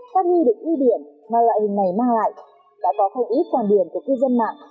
các nghi định uy điểm mà loại hình này mang lại đã có không ít quan điểm của cư dân mạng